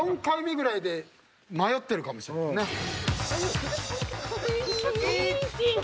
４回目ぐらいで迷ってるかもしれんね。